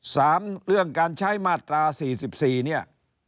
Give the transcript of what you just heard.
สามเรื่องการใช้มาตรา๔๔เนี่ย